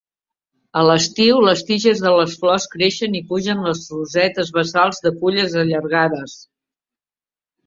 A l'estiu, les tiges de les flors creixen i pugen les rosetes basals de fulles allargades.